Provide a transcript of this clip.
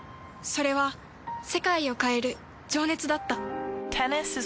それは世界を変える情熱だった。